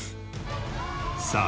さあ